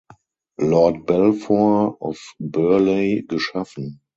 Lord Balfour of Burleigh geschaffen.